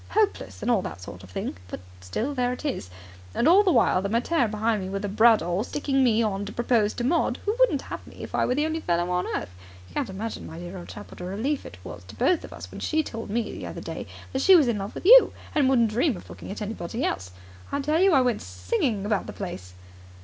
Hopeless, and all that sort of thing, but still there it is. And all the while the mater behind me with a bradawl, sicking me on to propose to Maud who wouldn't have me if I were the only fellow on earth. You can't imagine, my dear old chap, what a relief it was to both of us when she told me the other day that she was in love with you, and wouldn't dream of looking at anybody else. I tell you, I went singing about the place."